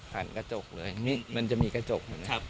หันกระจกเลยมันจะมีกระจก